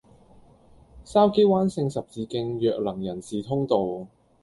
筲箕灣聖十字徑弱能人士通道